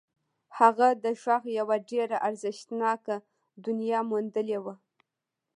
هغه د غږ یوه ډېره ارزښتناکه دنیا موندلې وه